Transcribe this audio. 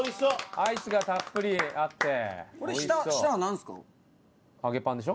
アイスがたっぷりあって美味しそう。